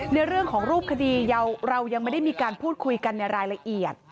ในเรื่องของรูปคดีเรายังไม่ได้มีการพูดคุยกันในรายละเอียด